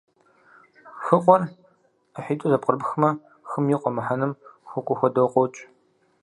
«Хыкъуэр» IыхьитIу зэпкърыпхмэ - «хым и къуэ» мыхьэнэм хуэкIуэ хуэдэу къокI.